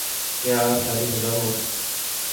کیا آپ شادی شدہ ہو